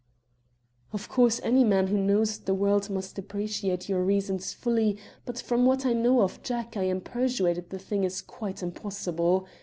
"Of course any man who knows the world must appreciate your reasons fully, but from what I know of Jack I am persuaded the thing is quite impossible.